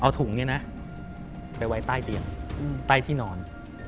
เอาถุงนี้นะไปไว้ใต้เตียงใต้ที่นอน